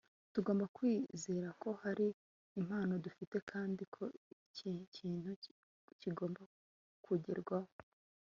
tugomba kwizera ko hari impano dufite kandi ko iki kintu kigomba kugerwaho